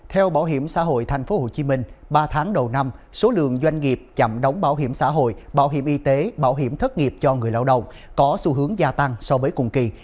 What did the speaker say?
theo bảo hiểm xã hội tp hcm ba tháng đầu năm số lượng doanh nghiệp chậm đóng bảo hiểm xã hội bảo hiểm y tế bảo hiểm thất nghiệp cho người lao động có xu hướng gia tăng so với cùng kỳ